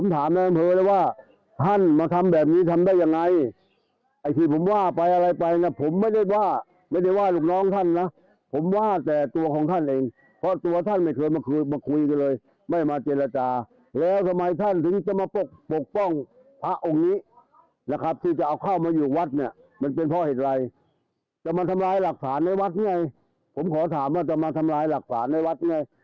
หลักษาในวัดเนี่ยผมขอถามว่าจะมาทำลายหลักษาในวัดเนี่ย